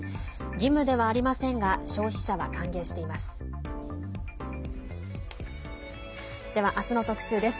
義務ではありませんが消費者は歓迎しています。